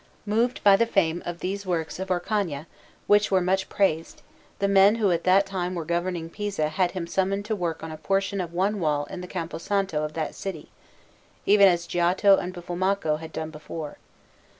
Maria Novella_)] Moved by the fame of these works of Orcagna, which were much praised, the men who at that time were governing Pisa had him summoned to work on a portion of one wall in the Campo Santo of that city, even as Giotto and Buffalmacco had done before.